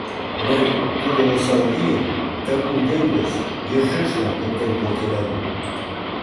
Мый тудо осал вийым ты кундем гыч йӧршешлан поктен колтенам.